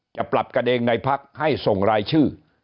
จะปรับกันเองในพักให้ส่งรายชื่อ